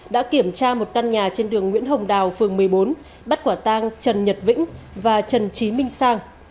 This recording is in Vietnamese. đã kiểm tra một căn nhà trên đường nguyễn hồng đào phường một mươi bốn bắt quả tang trần nhật vĩnh và trần trí minh sang